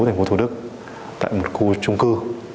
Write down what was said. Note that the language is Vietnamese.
thành phố thủ đức tại một khu chung cư